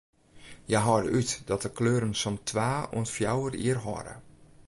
Hja hâlde út dat de kleuren sa'n twa oant fjouwer jier hâlde.